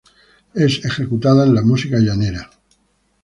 Es ejecutada en la música llanera.